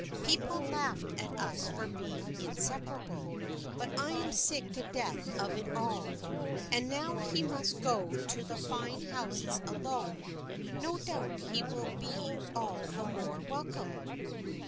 People laughed at us for being inseparable; but I am sick to death of it all, and now he must go to the fine houses alone. No doubt he will be all the more welcome."